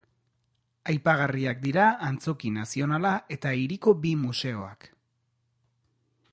Aipagarriak dira Antzoki Nazionala eta hiriko bi museoak.